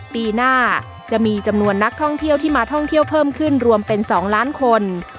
ปีหน้าจะมีจำนวนนักท่องเที่ยวที่มาท่องเที่ยวเพิ่มขึ้นรวมเป็น๒ล้านคน